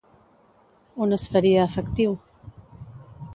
On es faria efectiu?